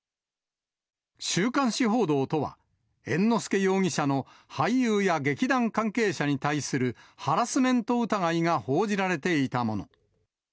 週刊誌報道とは、猿之助容疑者の俳優や劇団関係者に対するハラスメント疑いが報じられていたもの。